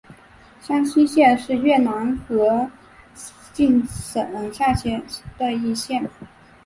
香溪县是越南河静省下辖的一县。